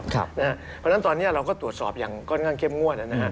เพราะฉะนั้นตอนนี้เราก็ตรวจสอบอย่างค่อนข้างเข้มงวด